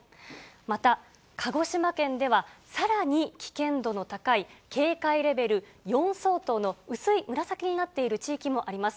また、鹿児島県ではさらに危険度の高い警戒レベル４相当の薄い紫になっている地域もあります。